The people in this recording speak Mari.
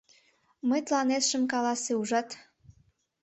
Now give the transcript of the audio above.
— Мый тыланет шым каласе, ужат...